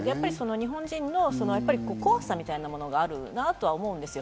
日本人の怖さみたいなものがあるなと思うんです。